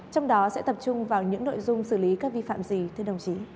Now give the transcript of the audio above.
trong đó sẽ tập trung vào những nội dung xử lý các vi phạm gì